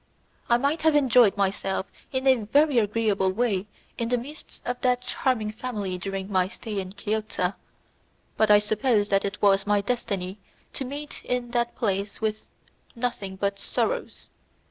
I might have enjoyed myself in a very agreeable way in the midst of that charming family during my stay in Chiozza, but I suppose that it was my destiny to meet in that place with nothing but sorrows.